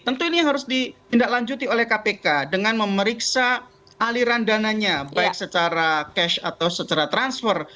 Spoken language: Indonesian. tentu ini harus ditindaklanjuti oleh kpk dengan memeriksa aliran dananya baik secara cash atau secara transfer